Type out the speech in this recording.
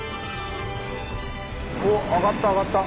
おっ上がった上がった！